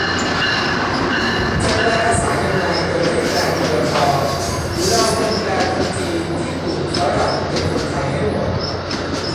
จะแปลภาษายังไง โดยไม่แปลตัวละคร - หรือเราควรแปลคนจีน ญี่ปุ่น ฝรั่ง เป็นคนไทยให้หมด ?